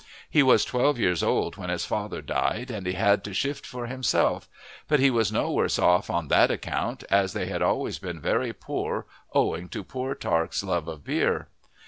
He was twelve years old when his father died, and he had to shift for himself; but he was no worse off on that account, as they had always been very poor owing to poor Tark's love of beer.